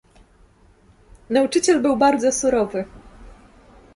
"Nauczyciel był bardzo surowy."